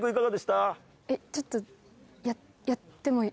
えっちょっと。